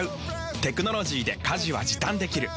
テクノロジーで家事は時短できる。